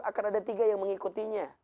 akan ada tiga yang mengikutinya